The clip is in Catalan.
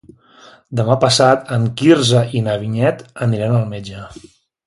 Demà passat en Quirze i na Vinyet aniran al metge.